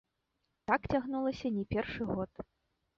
Так цягнулася не першы год.